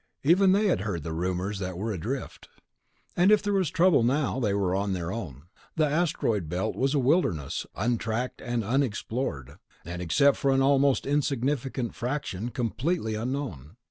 Even they had heard the rumors that were adrift.... And if there was trouble now, they were on their own. The Asteroid Belt was a wilderness, untracked and unexplored, and except for an almost insignificant fraction, completely unknown.